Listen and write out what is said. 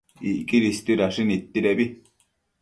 Icquidi istuidashi nidtuidebi